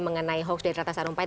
mengenai hoax dari rata sarumpet